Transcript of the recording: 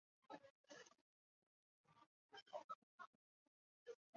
中东金花茶是山茶科山茶属的植物。